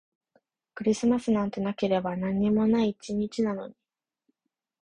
クリスマスなんてなければ何にもない一日なのに